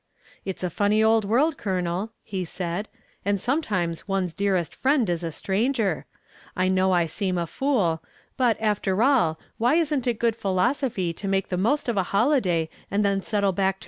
"It's a funny old world, Colonel," he said; "and sometimes one's nearest friend is a stranger. I know I seem a fool; but, after all, why isn't it good philosophy to make the most of a holiday and then settle back to work?"